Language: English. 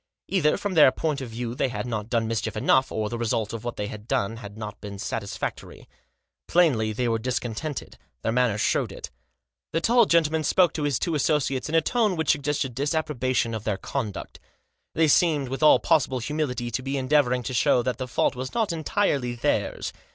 Either, from their point of view, they had not done mischief enough, or the result of what they had done had not been satisfac tory. Plainly, they were discontented. Their manner showed it. The tall gentleman spoke to his two associates in a tone which suggested disapprobation of their conduct. They seemed, with all possible humility, to be endeavouring to show that the fault was not entirely theirs.